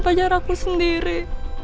pancar aku sendiri